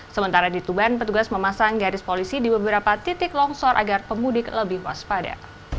sementara di tuban petugas memasang garis polisi di beberapa titik longsor agar pemudik lebih waspada